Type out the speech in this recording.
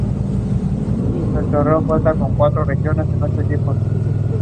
He also wrote numerous works on specific topics in Talmud and halacha.